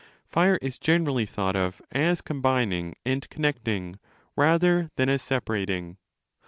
Fire is generally thought of as combining and connecting rather than as separating.